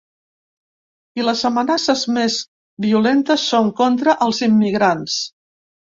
I les amenaces més violentes són contra els immigrants.